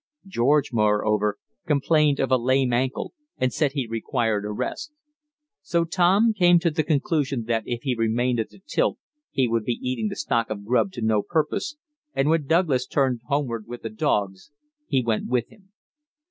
George, moreover, complained of a lame ankle, and said he required a rest. So Tom came to the conclusion that if he remained at the tilt he would be eating the "stock of grub" to no purpose, and when Douglas turned homeward with the dogs he went with him.